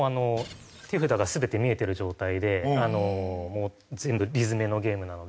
手札が全て見えてる状態で全部理詰めのゲームなので。